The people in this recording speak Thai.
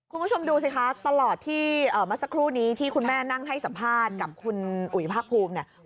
คุณผู้ชมดูสิคะตลอดที่เมื่อสักครู่นี้ที่คุณแม่นั่งให้สัมภาษณ์กับคุณอุ๋ยภาคภูมิเนี่ย